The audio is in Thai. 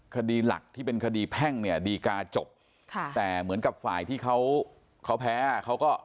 คดีหลักที่เป็นคดีแพ่งเนี่ยดีกาจบค่ะแต่เหมือนกับฝ่ายที่เขาเขาแพ้เขาก็